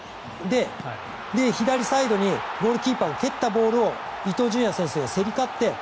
左サイドにゴールキーパーが蹴ったボールを伊東純也選手が競り勝って。